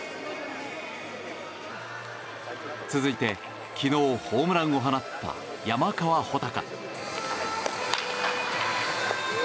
続いて、昨日ホームランを放った山川穂高。